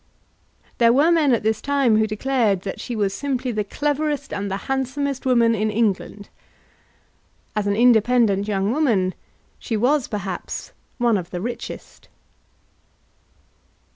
There were men at this time who declared that she was simply the cleverest and the handsomest woman in England. As an independent young woman she was perhaps one of the richest.